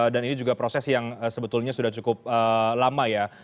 dan ini juga proses yang sebetulnya sudah cukup lama ya